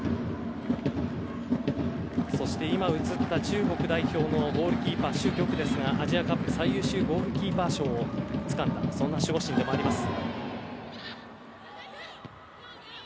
中国代表のゴールキーパーシュ・ギョクですがアジアカップ最優秀ゴールキーパー賞をつかんだそんな守護神でもあります。